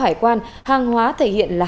hải quan hàng hóa thể hiện là